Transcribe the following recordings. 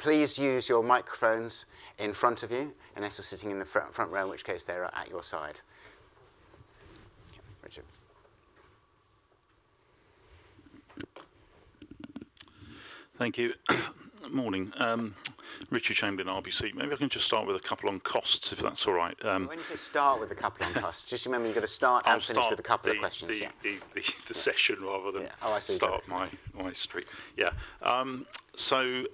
Please use your microphones in front of you, unless you're sitting in the front row, in which case they are at your side. Richard? Thank you. Morning, Richard Chamberlain, RBC. Maybe I can just start with a couple on costs, if that's all right. When you say start with a couple on costs, just remember, you've gotta start and finish. I'll start- With a couple of questions, yeah.... the session rather than- Yeah, oh, I see.... start my streak. Yeah. So,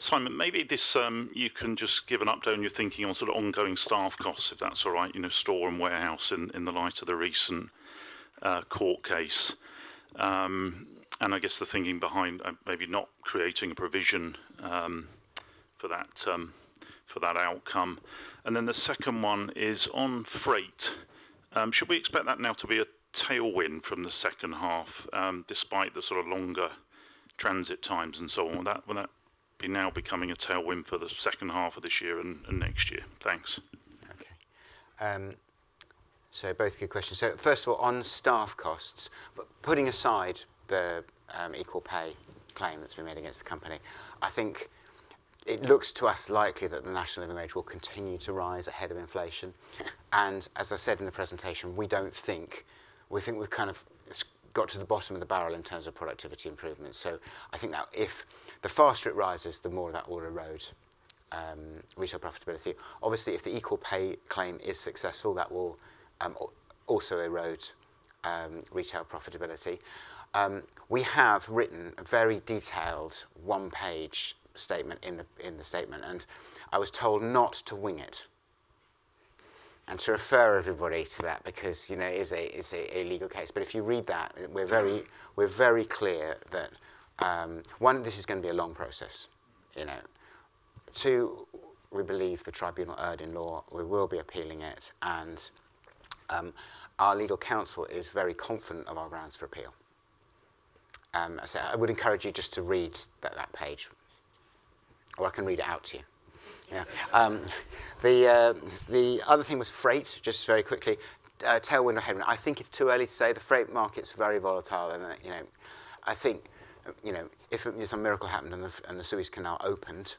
Simon, maybe this, you can just give an update on your thinking on sort of ongoing staff costs, if that's all right, you know, store and warehouse in the light of the recent court case. And I guess the thinking behind, maybe not creating a provision, for that, for that outcome. And then the second one is on freight. Should we expect that now to be a tailwind from the second half, despite the sort of longer transit times and so on? Will that be now becoming a tailwind for the second half of this year and next year? Thanks. Okay, so both good questions. So first of all, on staff costs, but putting aside the equal pay claim that's been made against the company, I think it looks to us likely that the national average will continue to rise ahead of inflation, and as I said in the presentation, we don't think... We think we've kind of got to the bottom of the barrel in terms of productivity improvements, so I think now the faster it rises, the more that will erode retail profitability. Obviously, if the equal pay claim is successful, that will also erode retail profitability. We have written a very detailed one-page statement in the statement, and I was told not to wing it and to refer everybody to that because, you know, it is a legal case. But if you read that, we're very clear that, one, this is gonna be a long process, you know. Two, we believe the tribunal erred in law. We will be appealing it, and, our legal counsel is very confident of our grounds for appeal. So I would encourage you just to read that page, or I can read it out to you. Yeah. The other thing was freight, just very quickly, tailwind or headwind. I think it's too early to say. The freight market's very volatile, and, you know, I think, you know, if some miracle happened and the Suez Canal opened,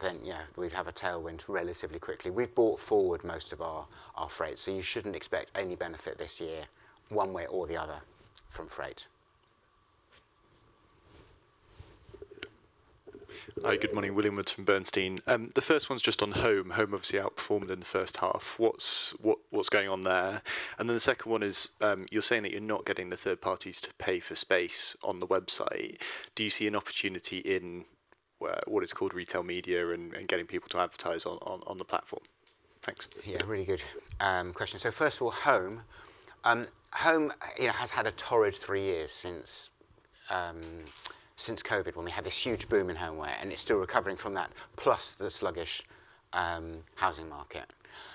then yeah, we'd have a tailwind relatively quickly. We've brought forward most of our freight, so you shouldn't expect any benefit this year, one way or the other, from freight. Hi, good morning. William Woods from Bernstein. The first one's just on home. Home obviously outperformed in the first half. What's going on there? And then the second one is, you're saying that you're not getting the third parties to pay for space on the website. Do you see an opportunity in what is called retail media and getting people to advertise on the platform? Thanks. Yeah, really good question. So first of all, home. Home, you know, has had a torrid three years since COVID, when we had this huge boom in homeware, and it's still recovering from that, plus the sluggish housing market,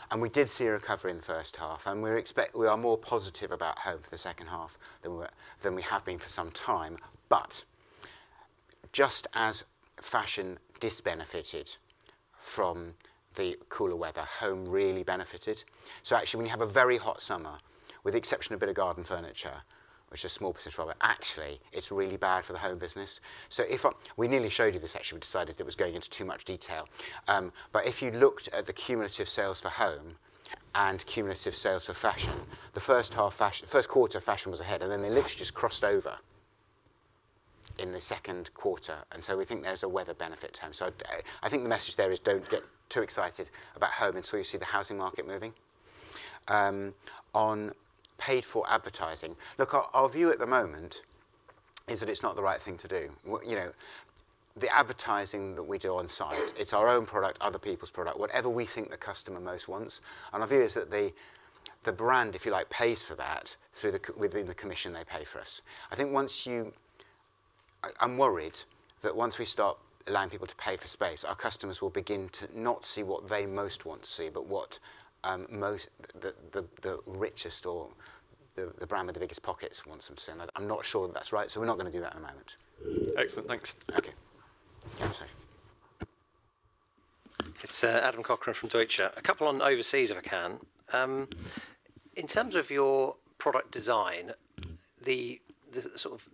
and we did see a recovery in the first half, and we expect, we are more positive about home for the second half than we were, than we have been for some time, but just as fashion disbenefited from the cooler weather, home really benefited, so actually, when you have a very hot summer, with the exception of a bit of garden furniture, which is a small percentage of it, actually, it's really bad for the home business. We nearly showed you this, actually. We decided it was going into too much detail. But if you looked at the cumulative sales for home and cumulative sales for fashion, the first half fashion, first quarter, fashion was ahead, and then they literally just crossed over in the second quarter. And so we think there's a weather benefit there. So I think the message there is don't get too excited about home until you see the housing market moving. On paid-for advertising, look, our view at the moment is that it's not the right thing to do. You know, the advertising that we do on site, it's our own product, other people's product, whatever we think the customer most wants. And our view is that the brand, if you like, pays for that through the commission they pay for us. I think once you... I'm worried that once we start allowing people to pay for space, our customers will begin to not see what they most want to see, but what the richest or the brand with the biggest pockets wants them to see, and I'm not sure that's right, so we're not gonna do that at the moment. Excellent. Thanks. Okay. Yeah, sorry. It's Adam Cochrane from Deutsche. A couple on overseas, if I can. In terms of your product design, the sort of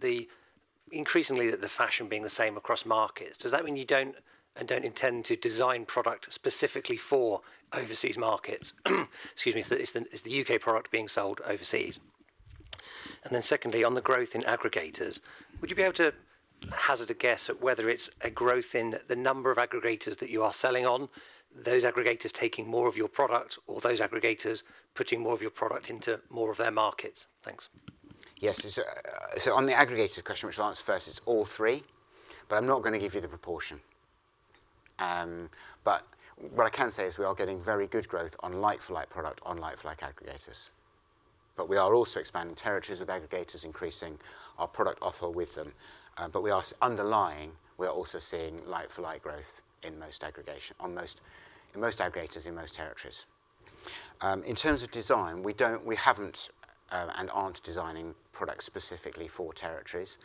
increasingly the fashion being the same across markets, does that mean you don't intend to design product specifically for overseas markets? Excuse me. So is the U.K product being sold overseas? And then secondly, on the growth in aggregators, would you be able to hazard a guess at whether it's a growth in the number of aggregators that you are selling on, those aggregators taking more of your product, or those aggregators putting more of your product into more of their markets? Thanks. Yes. So on the aggregators, which I'll answer first, it's all three, but I'm not going to give you the proportion, but what I can say is we are getting very good growth on like-for-like product, on like-for-like aggregators. But we are also expanding territories with aggregators, increasing our product offer with them. Underlying, we are also seeing like-for-like growth in most aggregators, in most territories. In terms of design, we don't, we haven't, and aren't designing products specifically for territories.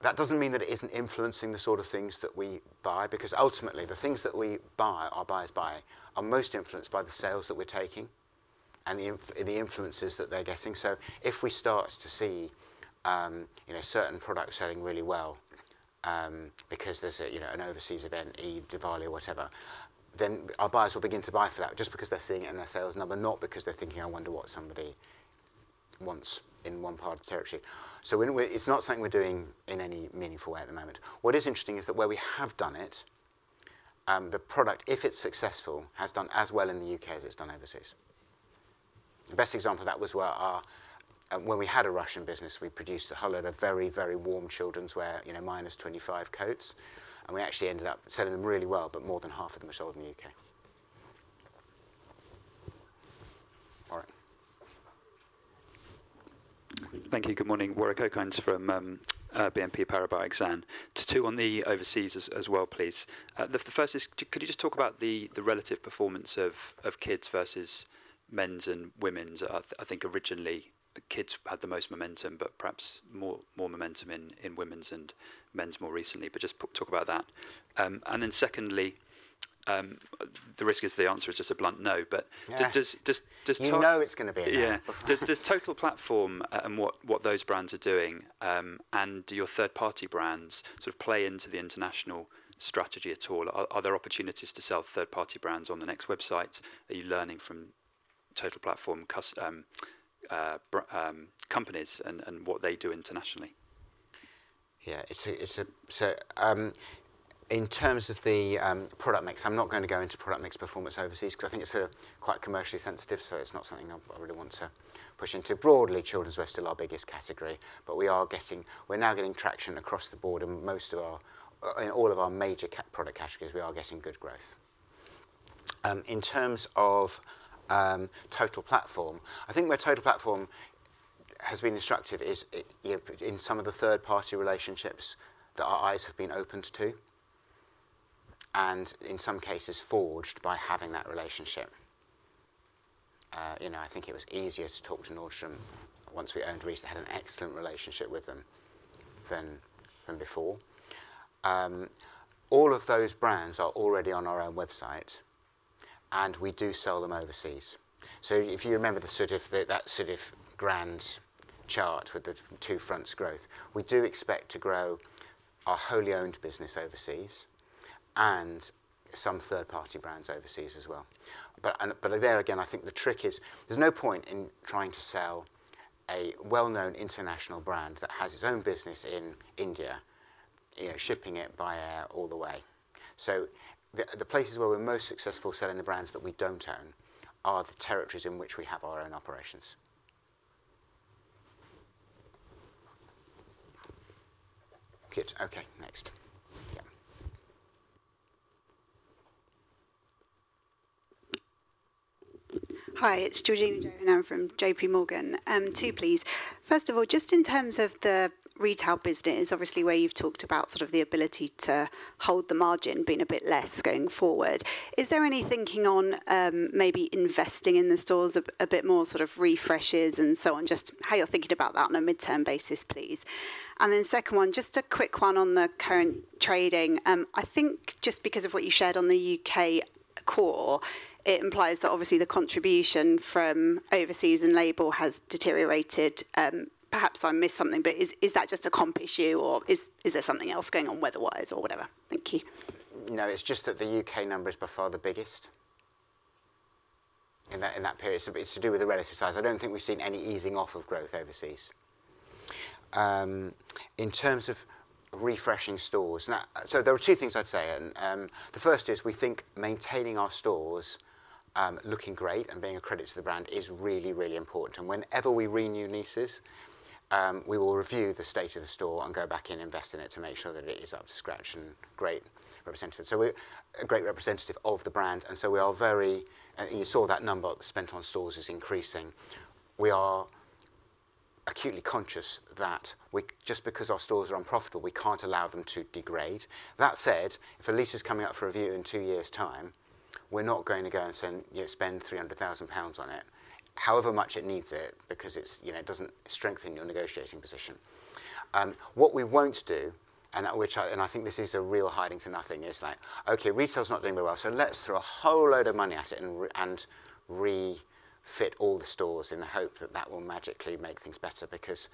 That doesn't mean that it isn't influencing the sort of things that we buy, because ultimately, the things that we buy, our buyers buy, are most influenced by the sales that we're taking and the influences that they're getting. So if we start to see, you know, certain products selling really well, because there's a, you know, an overseas event, Eid, Diwali, or whatever, then our buyers will begin to buy for that just because they're seeing it in their sales number, not because they're thinking, "I wonder what somebody wants in one part of the territory." So it's not something we're doing in any meaningful way at the moment. What is interesting is that where we have done it, the product, if it's successful, has done as well in the U.K as it's done overseas. The best example of that was where our... When we had a Russian business, we produced a whole load of very, very warm children's wear, you know, - 25 coats, and we actually ended up selling them really well, but more than half of them were sold in the U.K. All right. Thank you. Good morning, Warwick Okines from BNP Paribas Exane. Two on the overseas as well, please. The first is, could you just talk about the relative performance of kids versus men's and women's? I think originally kids had the most momentum, but perhaps more momentum in women's and men's more recently. But just talk about that. And then secondly, the risk is the answer is just a blunt no, but- Yeah. But does to- You know it's going to be a no. Yeah. Does Total Platform and what those brands are doing and your third-party brands sort of play into the international strategy at all? Are there opportunities to sell third-party brands on the Next website? Are you learning from Total Platform customers, brands, and companies and what they do internationally? Yeah, it's a. So, in terms of the product mix, I'm not going to go into product mix performance overseas because I think it's quite commercially sensitive, so it's not something I really want to push into. Broadly, children's wear is still our biggest category, but we are getting, we're now getting traction across the board, and most of our, in all of our major product categories, we are getting good growth. In terms of Total Platform, I think where Total Platform has been instructive is it, you know, in some of the third-party relationships that our eyes have been opened to, and in some cases forged by having that relationship. You know, I think it was easier to talk to Nordstrom once we owned Reiss and had an excellent relationship with them than before. All of those brands are already on our own website, and we do sell them overseas. So if you remember that sort of grand chart with the two fronts growth, we do expect to grow our wholly owned business overseas and some third-party brands overseas as well. But there again, I think the trick is there's no point in trying to sell a well-known international brand that has its own business in India, you know, shipping it by air all the way. So the places where we're most successful selling the brands that we don't own are the territories in which we have our own operations. Good. Okay, next. Yeah. Hi, it's Georgina Johanan from J.P. Morgan. Two, please. First of all, just in terms of the retail business, obviously, where you've talked about sort of the ability to hold the margin being a bit less going forward, is there any thinking on, maybe investing in the stores a bit more, sort of refreshes and so on? Just how you're thinking about that on a midterm basis, please. And then second one, just a quick one on the current trading. I think just because of what you shared on the U.K core, it implies that obviously the contribution from overseas and Label has deteriorated. Perhaps I missed something, but is that just a comp issue, or is there something else going on weather-wise or whatever? Thank you. No, it's just that the U.K number is by far the biggest in that, in that period, so it's to do with the relative size. I don't think we've seen any easing off of growth overseas. In terms of refreshing stores, now. So there are two things I'd say, and, the first is, we think maintaining our stores, looking great and being a credit to the brand is really, really important. And whenever we renew leases, we will review the state of the store and go back and invest in it to make sure that it is up to scratch and great representative. So we're a great representative of the brand, and so we are very. You saw that number spent on stores is increasing. We are acutely conscious that we, just because our stores are unprofitable, we can't allow them to degrade. That said, if a lease is coming up for review in two years' time, we're not going to go and spend, you know, spend 300,000 pounds on it, however much it needs it, because it's, you know, it doesn't strengthen your negotiating position. What we won't do, and I think this is a real hiding to nothing, is like: "Okay, retail's not doing very well, so let's throw a whole load of money at it and refit all the stores in the hope that that will magically make things better." Because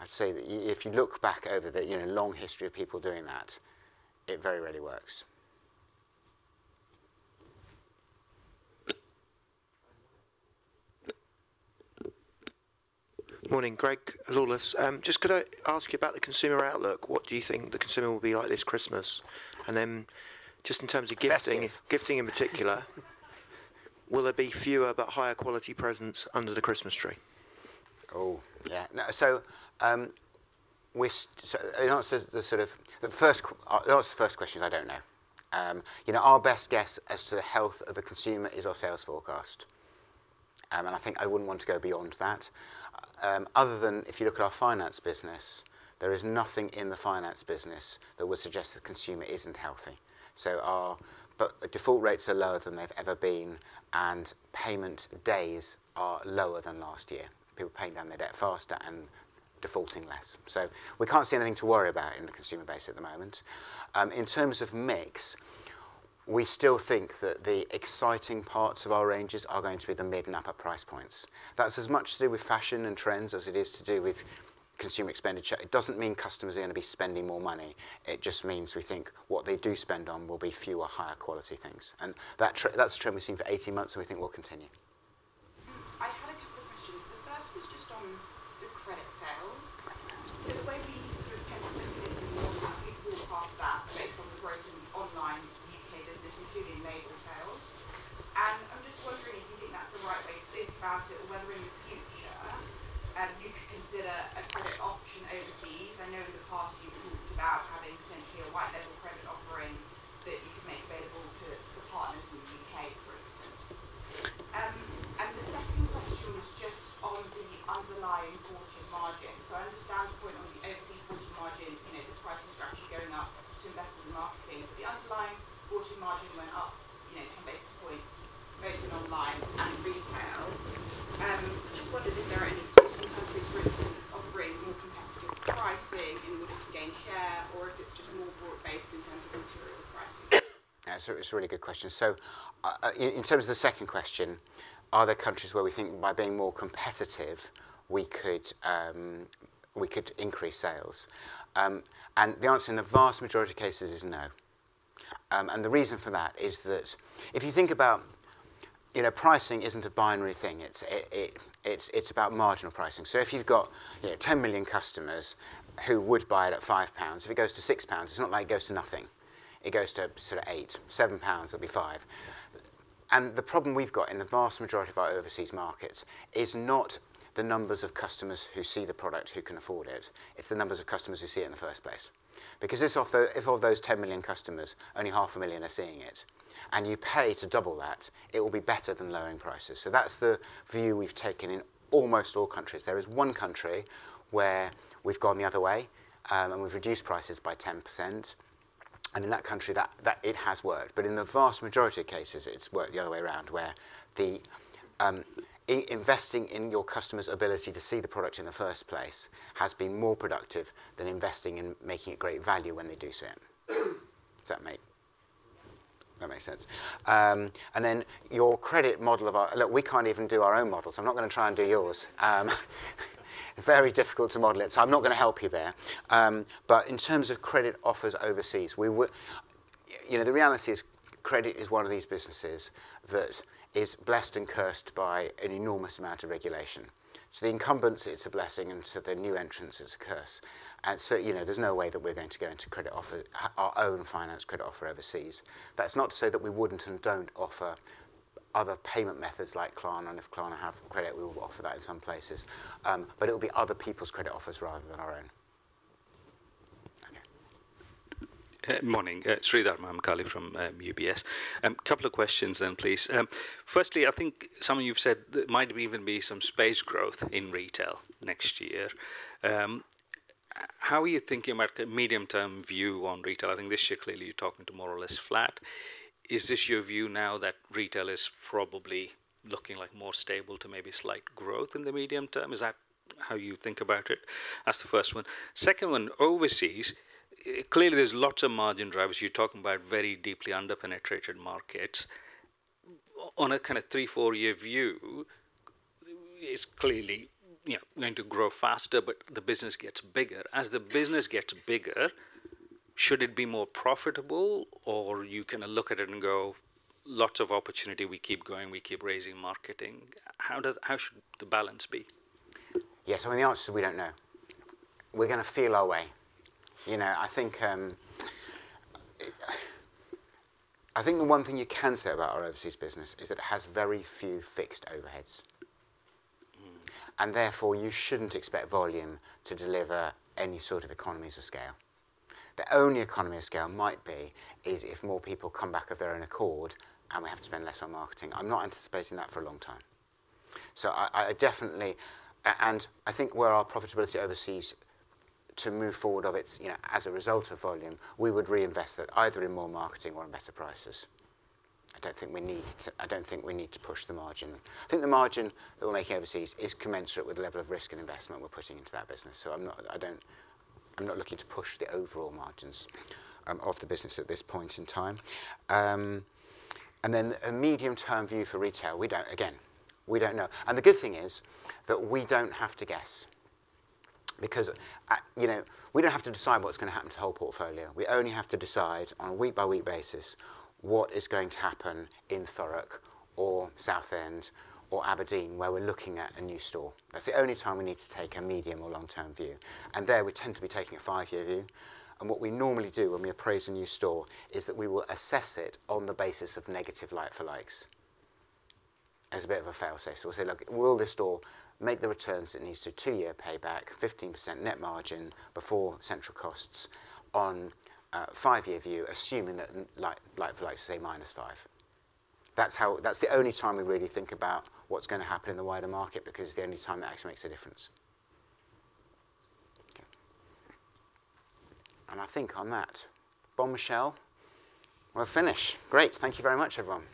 I'd say that if you look back over the, you know, long history of people doing that, it very rarely works. Morning. Greg Lawless. Just could I ask you about the consumer outlook? What do you think the consumer will be like this Christmas? And then just in terms of gifting- Festive... gifting in particular, will there be fewer but higher quality presents under the Christmas tree? Oh, yeah. No, so, we're so in answer to the sort of the first question, I don't know. You know, our best guess as to the health of the consumer is our sales forecast, and I think I wouldn't want to go beyond that. Other than if you look at our finance business, there is nothing in the finance business that would suggest the consumer isn't healthy. But default rates are lower than they've ever been, and payment days are lower than last year. People are paying down their debt faster and defaulting less. So we can't see anything to worry about in the consumer base at the moment. In terms of mix, we still think that the exciting parts of our ranges are going to be the mid and upper price points. That's as much to do with fashion and trends as it is to do with consumer expenditure. It doesn't mean customers are going to be spending more money. It just means we think what they do spend on will be fewer, higher quality things, and that's a trend we've seen for 18 months, and we think will continue. I had a couple of questions. The first was just on the credit sales. So the way we sort of tend to look at it, and we will forecast that based on the growth in online U.K business, including Label sales. And I'm just wondering if you think that's the right way to think about it, or whether in the future, you could consider a credit option overseas? I know in the past you've talked about having potentially a white Label credit offering that you could make available to, for partners in the U.K, for instance. And the second question was just on the underlying profit margin. So I understand the point on the overseas profit margin, you know, the pricing structure going up to invest in marketing. But the underlying profit margin went up, you know, 10 basis points, both in online and in retail. Just wondered if there are any certain countries, for instance, offering more competitive pricing in order to gain share, or if it's just more broad-based in terms of interior pricing? Yeah, so it's a really good question. So, in terms of the second question, are there countries where we think by being more competitive, we could increase sales? And the answer in the vast majority of cases is no. And the reason for that is that if you think about, you know, pricing isn't a binary thing. It's about marginal pricing. So if you've got, you know, 10 million customers who would buy it at 5 pounds, if it goes to 6 pounds, it's not like it goes to nothing. It goes to sort of 8, 7 pounds, it'll be 5. And the problem we've got in the vast majority of our overseas markets is not the numbers of customers who see the product, who can afford it, it's the numbers of customers who see it in the first place. Because if of those 10 million customers, only 500,000 are seeing it, and you pay to double that, it will be better than lowering prices. So that's the view we've taken in almost all countries. There is one country where we've gone the other way, and we've reduced prices by 10%, and in that country, it has worked. But in the vast majority of cases, it's worked the other way around, where the investing in your customer's ability to see the product in the first place has been more productive than investing in making it great value when they do see it. Does that make- Yeah. That makes sense, and then your credit model... Look, we can't even do our own model, so I'm not going to try and do yours. Very difficult to model it, so I'm not going to help you there, but in terms of credit offers overseas, we would, you know, the reality is, credit is one of these businesses that is blessed and cursed by an enormous amount of regulation. So the incumbency, it's a blessing, and to the new entrants, it's a curse, and so, you know, there's no way that we're going to go into credit offer, our own finance credit offer overseas. That's not to say that we wouldn't and don't offer other payment methods like Klarna, and if Klarna have credit, we will offer that in some places. But it'll be other people's credit offers rather than our own. Okay. Morning. Sreedhar Mahamkali from UBS. Couple of questions then, please. Firstly, I think something you've said, there might even be some space growth in retail next year. How are you thinking about the medium-term view on retail? I think this year, clearly, you're talking to more or less flat. Is this your view now that retail is probably looking like more stable to maybe slight growth in the medium term? Is that how you think about it? That's the first one. Second one, overseas, clearly, there's lots of margin drivers. You're talking about very deeply under-penetrated markets. On a kind of three, four-year view, it's clearly, you know, going to grow faster, but the business gets bigger. As the business gets bigger, should it be more profitable, or you kind of look at it and go, "Lots of opportunity, we keep going, we keep raising marketing"? How should the balance be? Yes, I mean, the answer is we don't know. We're going to feel our way. You know, I think, I think the one thing you can say about our overseas business is it has very few fixed overheads. Mm. And therefore, you shouldn't expect volume to deliver any sort of economies of scale. The only economy of scale might be if more people come back of their own accord, and we have to spend less on marketing. I'm not anticipating that for a long time. So I definitely and I think where our profitability overseas to move forward of its, you know, as a result of volume, we would reinvest it either in more marketing or in better prices. I don't think we need to push the margin. I think the margin that we're making overseas is commensurate with the level of risk and investment we're putting into that business, so I'm not looking to push the overall margins of the business at this point in time. And then a medium-term view for retail, we don't know. Again, we don't know. And the good thing is that we don't have to guess because, you know, we don't have to decide what's going to happen to the whole portfolio. We only have to decide on a week-by-week basis, what is going to happen in Thurrock or Southend or Aberdeen, where we're looking at a new store. That's the only time we need to take a medium or long-term view, and there we tend to be taking a five-year view. And what we normally do when we appraise a new store, is that we will assess it on the basis of negative like-for-likes, as a bit of a fail-safe. So we'll say, "Look, will this store make the returns it needs to, two-year payback, 15% net margin before central costs on a five-year view, assuming that like-for-likes say -5%?" That's how. That's the only time we really think about what's going to happen in the wider market because it's the only time it actually makes a difference. Okay. And I think on that, bombshell, we're finished. Great. Thank you very much, everyone.